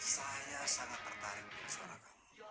saya sangat tertarik dengan suara kamu